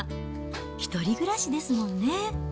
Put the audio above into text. １人暮らしですもんね。